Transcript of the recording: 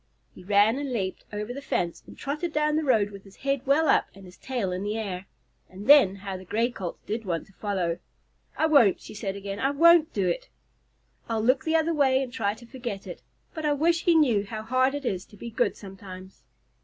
He ran and leaped over the fence, and trotted down the road with his head well up and his tail in the air. And then how the Gray Colt did want to follow! "I won't!" she said again. "I won't do it. I'll look the other way and try to forget it, but I wish he knew how hard it is to be good sometimes."